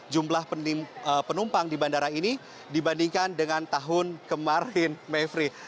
jumlah penumpang di bandara ini dibandingkan dengan tahun kemarin mevri